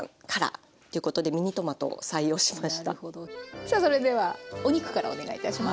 さあそれではお肉からお願いいたします。